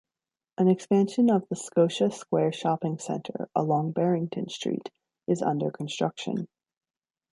An expansion of the Scotia Square shopping centre, along Barrington Street, is under construction.